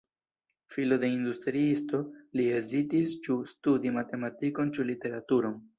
Filo de industriisto, li hezitis ĉu studi matematikon ĉu literaturon.